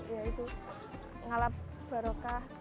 ya itu ngalap barokah